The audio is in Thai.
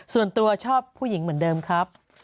ส่วนตัวชอบผู้หญิงเหมือนเดิมครับ